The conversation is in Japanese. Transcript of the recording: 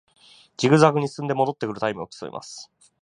ジグザグに進んで戻ってくるタイムを競います